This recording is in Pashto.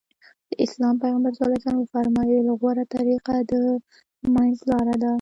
د اسلام پيغمبر ص وفرمايل غوره طريقه د منځ لاره ده.